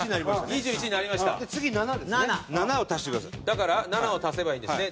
だから７を足せばいいんですね。